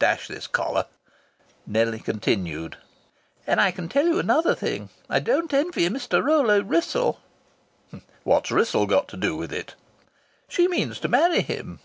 "Dash this collar!" Nellie continued: "And I can tell you another thing, I don't envy Mr. Rollo Wrissell." "What's Wrissell got to do with it?" "She means to marry him."